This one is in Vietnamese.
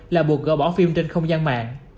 là buộc gỡ bỏ phim trên không gian mạng